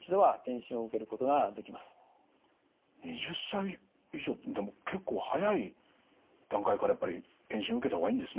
２０歳以上でも結構早い段階からやっぱり検診受けた方がいいんですね？